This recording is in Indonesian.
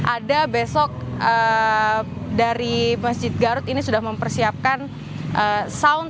ada besok dari masjid garut ini sudah mempersiapkan sound